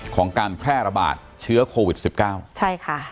ของการแพร่ระบาดเชื้อโควิดสิบเก้าใช่ค่ะ